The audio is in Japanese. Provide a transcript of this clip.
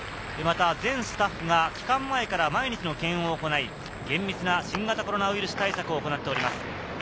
また全スタッフが期間前から毎日の検温を行い、顕密な新型コロナウイルス対策を行っています。